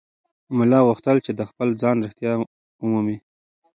ملا غوښتل چې د خپل ځان رښتیا ومومي.